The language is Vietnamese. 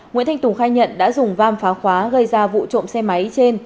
nguyễn thanh tùng khai nhận đã dùng vam phá khóa gây ra vụ trộm xe máy trên